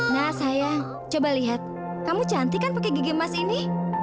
nah saya coba lihat kamu cantik kan pakai gigi emas ini